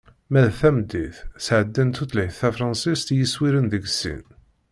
Ma d tameddit, sɛeddan tutlayt n tefransist i yiswiren deg sin.